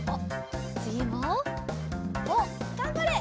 つぎもおっがんばれ！